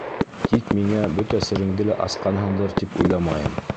Тик миңә бөтә сереңде лә асҡанһыңдыр, тип уйламайым.